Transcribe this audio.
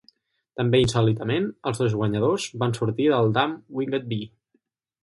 També insòlitament, els dos guanyadors van sortir del Dam Winged Bee.